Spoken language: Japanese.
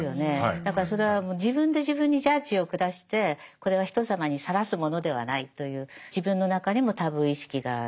だからそれは自分で自分にジャッジを下してこれは人様にさらすものではないという自分の中にもタブー意識がある。